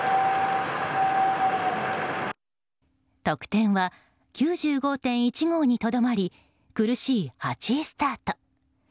得点は９５．１５にとどまり苦しい８位スタート。